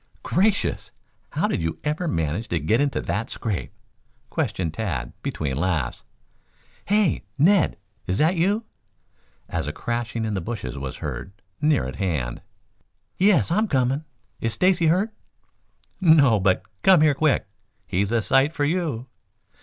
"Gracious! How did you ever manage to get into that scrape?" questioned Tad between laughs. "Hey, Ned, is that you?" as a crashing in the bushes was heard near at hand. "Yes. I'm coming. Is Stacy hurt?" "No, but come here quick. Here's a sight for you!"